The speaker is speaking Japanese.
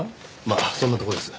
まあそんなとこです。